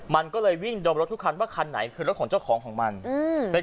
มันก็เลยวิ่งดมรถทุกคันว่าคันไหนคือรถของเจ้าของของมันอืม